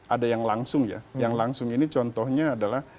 ada yang langsung ya yang langsung ini contohnya adalah